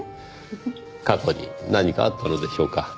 過去に何かあったのでしょうか？